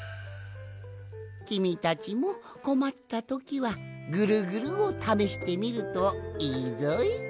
きみたちもこまったときはぐるぐるをためしてみるといいぞい。